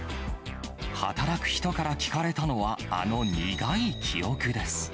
働く人から聞かれたのは、あの苦い記憶です。